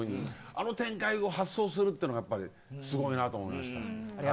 あの展開を発想するのがすごいなと思いました。